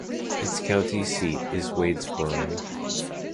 Its county seat is Wadesboro.